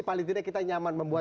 paling tidak kita nyaman membuat